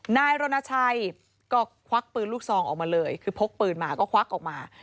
นายรณชัยก็ควักปืนลูกซองออกมาเลยคือพกปืนมาก็ควักออกมา